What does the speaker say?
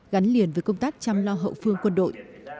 gắn liền với công tác chăm lo hậu phương quân đội